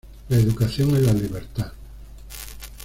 La educación en la libertad.